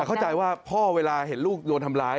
เข้าใจว่าพ่อเวลาเห็นลูกโดนทำร้าย